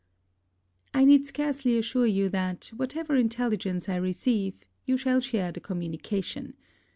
I need scarcely assure you that, whatever intelligence I receive, you shall share the communication.